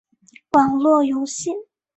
网络游戏